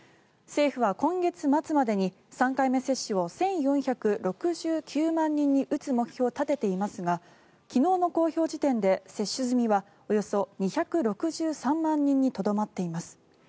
政府は今月末までに３回目接種を１４６９万人に打つ目標を立てていますが昨日の公表時点で接種済みはおよそ２６３万人にとどまっています。